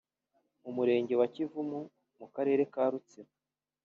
umurenge wa Kivumu mu karere ka Rutsiro